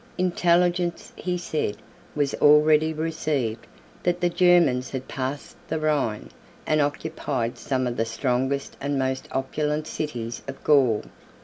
Intelligence, he said, was already received, that the Germans had passed the Rhine, and occupied some of the strongest and most opulent cities of Gaul.